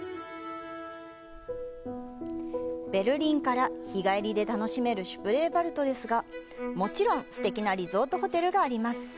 ベルリンから日帰りで楽しめるシュプレーヴァルトですがもちろん、すてきなリゾートホテルがあります。